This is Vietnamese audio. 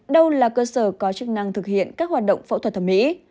đâu là cơ sở có chức năng thực hiện các hoạt động phẫu thuật thẩm mỹ